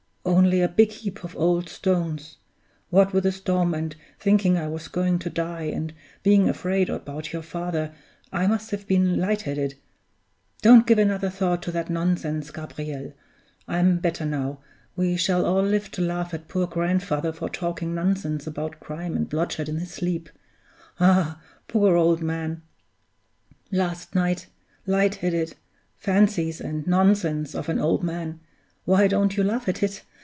Only a big heap of old stones! What with the storm, and thinking I was going to die, and being afraid about your father, I must have been light headed. Don't give another thought to that nonsense, Gabriel! I'm better now. We shall all live to laugh at poor grandfather for talking nonsense about crime and bloodshed in his sleep. Ah, poor old man last night light headed fancies and nonsense of an old man why don't you laugh at it?